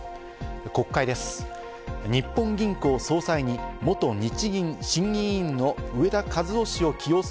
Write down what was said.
国会です。